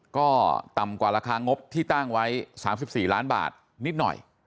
ก็ต่ำกว่าราคางบที่ตั้งไว้๓๔ล้านบาทนิดหน่อย